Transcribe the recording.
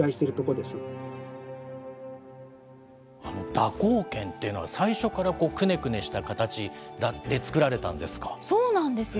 蛇行剣っていうのは、最初からくねくねした形でつくられたんですか？